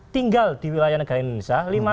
tinggal di wilayah negara indonesia